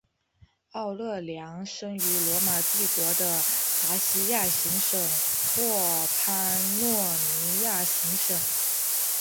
奥勒良生于罗马帝国的达西亚行省或潘诺尼亚行省。